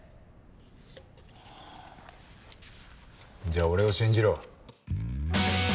じゃあ俺を信じろ。